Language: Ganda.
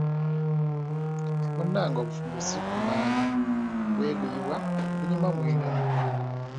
Munnange obufumbo ssi kunaanya, bweguyibwa, bunyuma mulina omukwano.